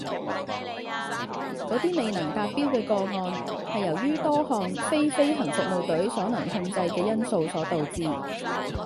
那些未能達標的個案，是由於多項非飛行服務隊所能控制的因素所導致